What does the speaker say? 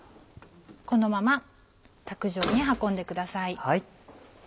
このまま卓上に運んでください。